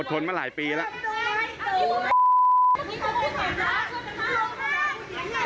ชนมาหลายปีแล้ว